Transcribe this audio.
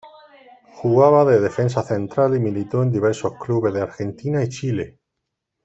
Jugaba de defensa central y militó en diversos clubes de Argentina y Chile.